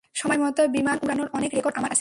সময়মত বিমান উড়ানোর অনেক রেকর্ড আমার আছে।